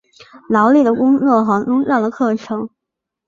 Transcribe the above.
劳力的工作和宗教的课程。